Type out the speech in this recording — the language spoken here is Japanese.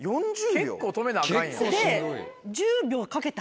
結構止めなアカン。